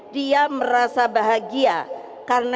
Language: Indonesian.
dia merasa bahagia karena